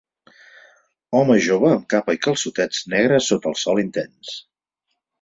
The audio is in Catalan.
Home jove amb capa i calçotets negres sota el sol intens.